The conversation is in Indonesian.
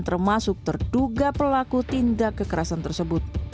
termasuk terduga pelaku tindak kekerasan tersebut